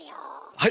はい！